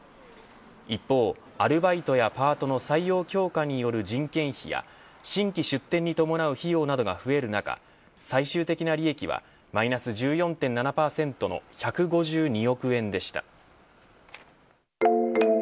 一方、アルバイトやパートの採用強化による人件費や新規出店に伴う費用などが増える中最終的な利益はマイナス１４．７％の１５２億円でした。